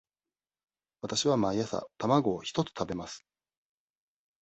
わたしは毎朝卵を一つ食べます。